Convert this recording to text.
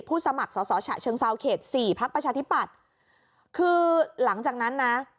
สมัครสอสอฉะเชิงเซาเขตสี่พักประชาธิปัตย์คือหลังจากนั้นนะ